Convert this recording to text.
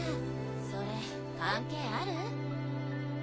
それ関係ある？